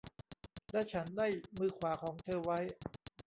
และฉันได้มือขวาของเธอไว้